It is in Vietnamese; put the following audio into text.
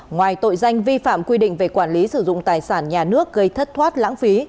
ngoài tội danh vi phạm quy định về quản lý sử dụng tài sản nhà nước gây thất thoát lãng phí